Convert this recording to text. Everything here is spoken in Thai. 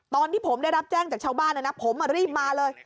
ตอนที่ผมได้รับแจ้งจากชาวบ้านนะนะผมรีบมาเลย